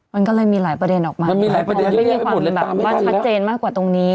มันก็เลยมีหลายประเด็นออกมามันไม่มีความชัดเจนมากกว่าตรงนี้